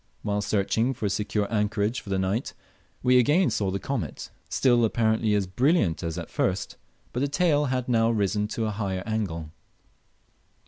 While searching for a secure anchorage for the night we again saw the comet, still apparently as brilliant as at first, but the tail had now risen to a higher angle.